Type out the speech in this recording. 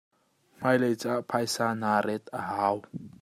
Hmailei caah phaisa naa ret a hau.